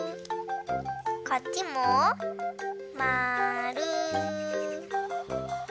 こっちもまる。